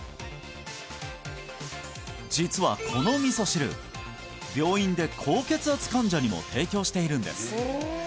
実はこの味噌汁病院で高血圧患者にも提供しているんです